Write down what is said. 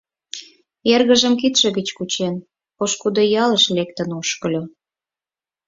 Эргыжым кидше гыч кучен, пошкудо ялыш лектын ошкыльо.